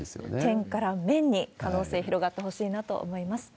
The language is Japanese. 点から面に、可能性広がってほしいなと思います。